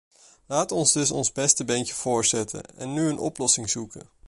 Laat ons dus ons beste beentje voorzetten en nu een oplossing zoeken.